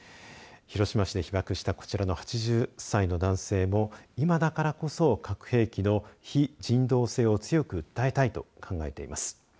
広島市で被爆したこちらの８０歳の男性も今だからこそ核兵器の非人道性を強く訴えたいと考えています。